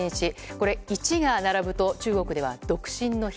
これ１が並ぶと中国では独身の日。